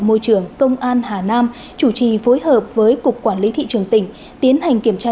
môi trường công an hà nam chủ trì phối hợp với cục quản lý thị trường tỉnh tiến hành kiểm tra